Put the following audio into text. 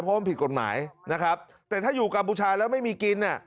เพราะมันผิดกฎหมายนะครับแต่ถ้าอยู่กัมพูชาแล้วไม่มีกินเนี่ย